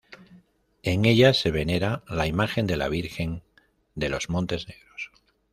En ella se venera la imagen de la Virgen de los Montes Negros.